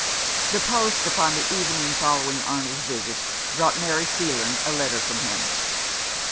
The post upon the evening following Arnold's visit brought Mary Freeland a letter from him.